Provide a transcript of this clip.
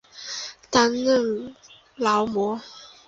担任劳模。